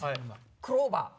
クローバー。